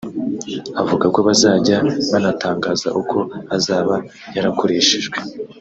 avuga ko bazajya banatangaza uko azaba yarakoreshejwe